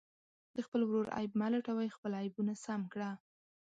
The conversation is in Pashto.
د خپل ورور عیب مه لټوئ، خپل عیبونه سم کړه.